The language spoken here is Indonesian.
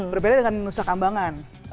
berbeda dengan nusa kambangan